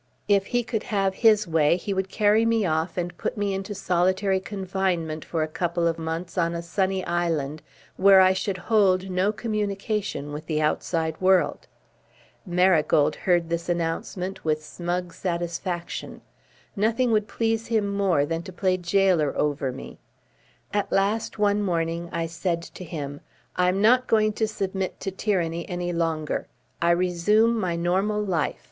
If he could have his way, he would carry me off and put me into solitary confinement for a couple of months on a sunny island, where I should hold no communication with the outside world. Marigold heard this announcement with smug satisfaction. Nothing would please him more than to play gaoler over me. At last, one morning, I said to him: "I'm not going to submit to tyranny any longer. I resume my normal life.